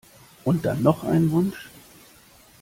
Und dann noch einen Wunsch?